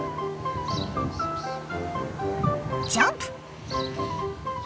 ジャンプ！